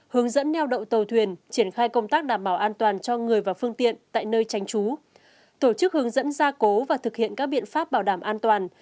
hướng dẫn neo đậu tàu thuyền triển khai công tác đảm bảo an toàn cho người và phương tiện tại nơi tránh trú tổ chức hướng dẫn gia cố và thực hiện các biện pháp bảo đảm an toàn